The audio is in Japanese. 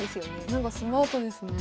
なんかスマートですよね。